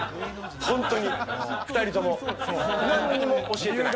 本当に２人とも、何にも教えてない。